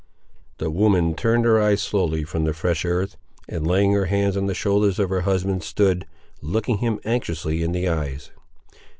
The woman turned her eyes slowly from the fresh earth, and laying her hands on the shoulders of her husband, stood, looking him anxiously in the eyes.